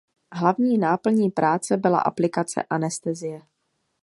Hlavní náplní práce byla aplikace anestezie.